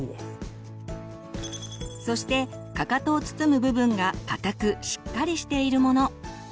そしてかかとを包む部分が硬くしっかりしているもの。